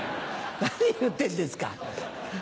何言ってんですか。